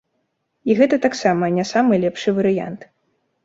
І гэта таксама не самы лепшы варыянт.